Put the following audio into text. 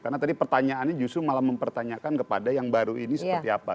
karena tadi pertanyaannya justru malah mempertanyakan kepada yang baru ini seperti apa